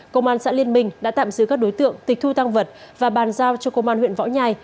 công an xã liên minh đã tạm giữ các đối tượng tịch thu tăng vật và bàn giao cho công an huyện võ nhai